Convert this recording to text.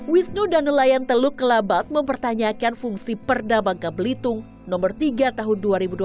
wisnu dan nelayan teluk kelabat mempertanyakan fungsi perda bangka belitung nomor tiga tahun dua ribu dua puluh